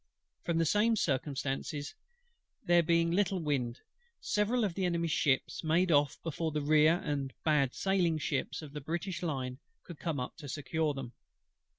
From the same circumstance of there being but little wind, several of the Enemy's ships made off before the rear and bad sailing ships of the British lines could come up to secure them.